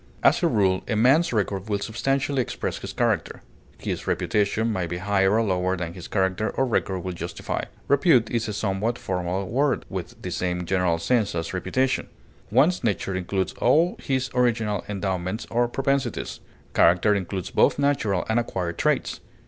As a rule, a man's record will substantially express his character; his reputation may be higher or lower than his character or record will justify. Repute is a somewhat formal word, with the same general sense as reputation. One's nature includes all his original endowments or propensities; character includes both natural and acquired traits.